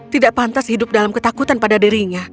tidak pantas hidup dalam ketakutan pada dirinya